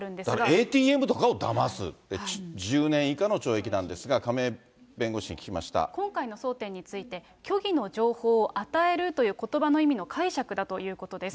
ＡＴＭとかをだますって、１０年以下の懲役なんですが、亀井今回の争点について、虚偽の情報を与えるということばの意味の解釈だということです。